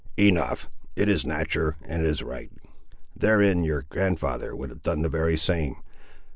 "Enough. It is natur', and it is right. Therein your grand'ther would have done the very same.